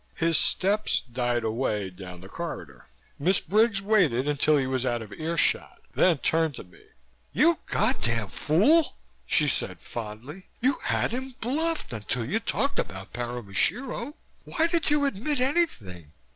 His steps died away down the corridor. Miss Briggs waited until he was out of earshot then turned to me. "You God damned fool!" she said fondly. "You had him bluffed until you talked about Paramushiro. Why did you admit anything?"